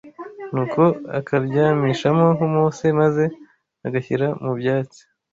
Nuko akaryamishamo Mose maze agashyira mu byatsi